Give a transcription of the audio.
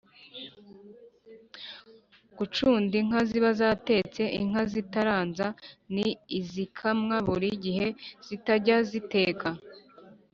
gucunda inka ziba zatetse. Inka zitaranza ni izikamwa buri gihe zitajya ziteka.